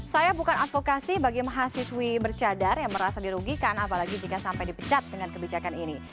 saya bukan advokasi bagi mahasiswi bercadar yang merasa dirugikan apalagi jika sampai dipecat dengan kebijakan ini